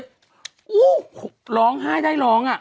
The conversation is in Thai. โอ้โหร้องไห้ได้ร้องอ่ะ